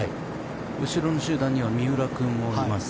後ろの集団には三浦君もいます。